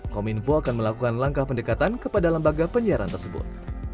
kominfo akan melakukan langkah pendekatan kepada lembaga penyiaran tersebut